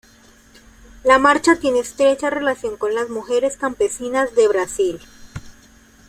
La Marcha tiene estrecha relación con las mujeres campesinas de Brasil.